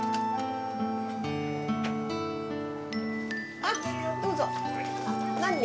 あっどうぞ何人？